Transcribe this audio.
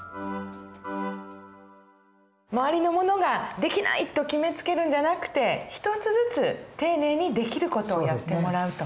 周りの者ができないと決めつけるんじゃなくて一つずつ丁寧にできる事をやってもらうと。